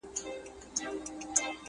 اورېدلي یې زاړه وراسته نکلونه!!